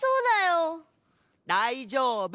だいじょうぶ。